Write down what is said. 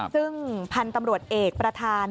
ซึ่งพันธุ์ตำรวจเอกประธาน